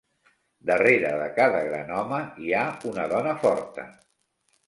Darrere de cada gran home hi ha una dona forta.